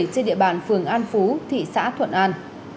trên địa bàn phường an phú thị xã thuận an